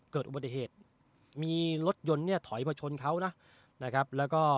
เกิดอุบัติเหตุมีรถยนต์เนี่ยถอยมาชนเขานะนะครับแล้วก็